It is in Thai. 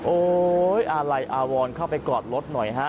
โอ้ยยยยอะไหลคนอะวอนเข้าไปกอดรถหน่อยฮะ